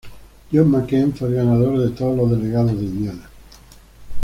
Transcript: John McCain fue el ganador de todos los delegados de Indiana.